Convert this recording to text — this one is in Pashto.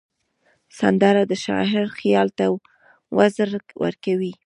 سندره د شاعر خیال ته وزر ورکوي